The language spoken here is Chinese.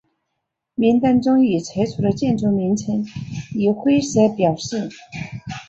名单中已拆除的建筑名称以灰色表示。